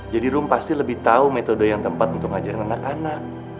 jadi rum pasti lebih tahu metode yang tempat untuk ngajarin anak anak